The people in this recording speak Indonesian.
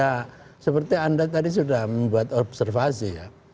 ya seperti anda tadi sudah membuat observasi ya